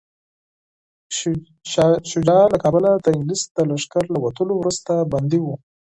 شاه شجاع له کابله د انګلیس د لښکر له وتلو وروسته بندي و.